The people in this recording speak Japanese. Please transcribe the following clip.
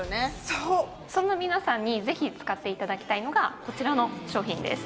そうそんな皆さんにぜひ使っていただきたいのがこちらの商品です